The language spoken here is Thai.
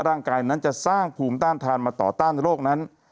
ร่างกายนั้นจะสร้างภูมิต้านทานมาต่อต้านโรคนั้น